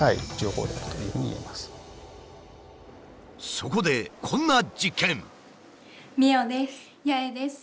そこでこんな実験。